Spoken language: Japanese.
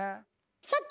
さて！